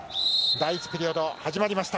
第１ピリオド始まりました。